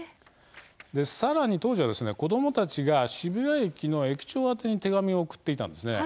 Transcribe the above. さらに当時は子どもたちが渋谷駅の駅長宛に手紙を送っていたんです。